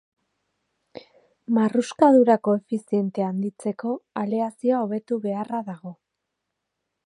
Marruskadura koefizientea handitzeko aleazioa hobetu beharra dago.